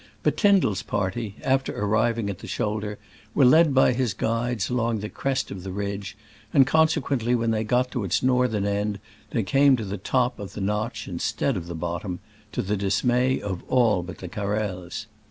But Tyndall's party, after ar riving at "the shoulder," were led by his guides along the crest of the ridge, and consequently when they got to its northern end they came to the top of the notch, instead of the bottom — to the dismay of all but the Carrels.